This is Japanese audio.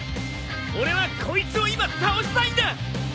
俺はこいつを今倒したいんだ！